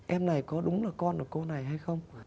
em này có đúng là con của cô này hay không